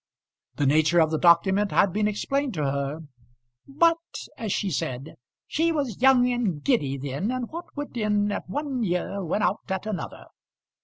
The nature of the document had been explained to her. "But," as she said, "she was young and giddy then, and what went in at one ear went out at another."